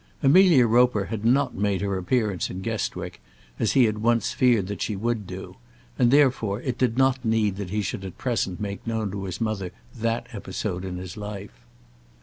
Amelia Roper had not made her appearance in Guestwick, as he had once feared that she would do; and therefore it did not need that he should at present make known to his mother that episode in his life.